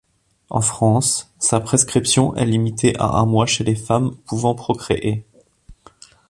En France, sa prescription est limitée à un mois chez les femmes pouvant procréer.